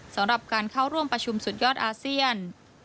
สำหรับการเข้าร่วมประชุมสุดยอดอาเซียน